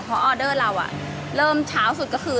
เพราะออเดอร์เราเริ่มเช้าสุดก็คือ